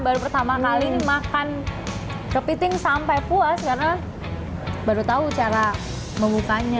baru pertama kali makan kepiting sampai puas karena baru tahu cara membukanya